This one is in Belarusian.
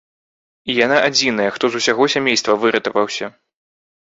І яна адзіная, хто з усяго сямейства выратаваўся.